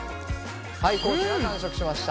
はい地が完食しました。